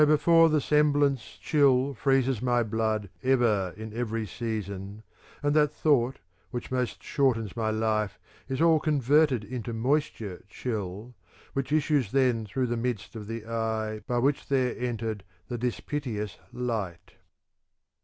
THE COMPLEMENT OF ODES 399 fore the semblance chill freezes my blood ever in every season : and that thought which most shortens my life is all converted into moisture chill, which issues then through the midst of the eye by which there entered the dispiteous light.